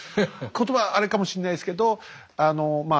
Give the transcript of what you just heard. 言葉あれかもしれないですけどま